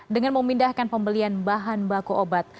dengan memindahkan pembelian bahan baku obat